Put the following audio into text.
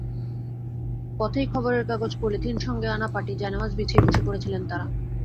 পথেই খবরের কাগজ, পলিথিন, সঙ্গে আনা পাটি, জায়নামাজ বিছিয়ে বসে পড়েছিলেন তাঁরা।